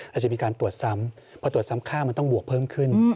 อาจจะมีการตรวจซ้ำพอตรวจซ้ำค่ามันต้องบวกเพิ่มขึ้น